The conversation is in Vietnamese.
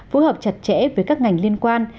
phối hợp chặt chẽ với các ngành liên quan